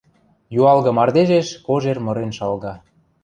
Юалгы мардежеш кожер мырен шалга.